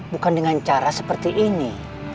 bukan dengan cara seperti ini